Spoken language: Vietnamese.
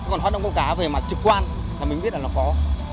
còn hoạt động câu cá về mặt trực quan thì mình biết là nó có